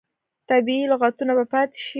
طبیعي لغتونه به پاتې شي.